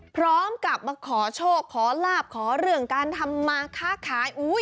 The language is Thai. พร้อมกับมาขอโชคขอลาบขอเรื่องการทำมาค้าขาย